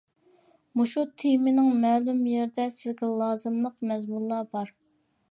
مۇشۇ تېمىنىڭ مەلۇم يېرىدە سىزگە لازىملىق مەزمۇنلار بار.